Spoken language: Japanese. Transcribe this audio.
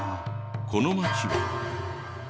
この街は。